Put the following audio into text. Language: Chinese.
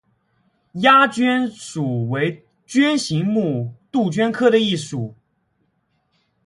鸦鹃属为鹃形目杜鹃科的一属。